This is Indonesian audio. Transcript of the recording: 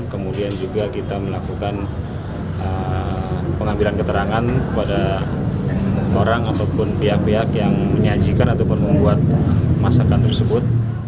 kemudian juga kita melakukan pengambilan keterangan kepada orang ataupun pihak pihak yang menyajikan ataupun membuat masakan tersebut